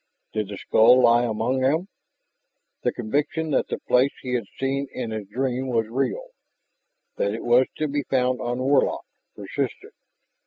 Did the skull lie among them? The conviction that the place he had seen in his dream was real, that it was to be found on Warlock, persisted.